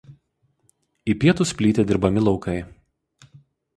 Į pietus plyti dirbami laukai.